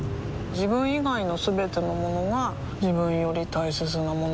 自分以外のすべてのものが自分より大切なものだと思いたい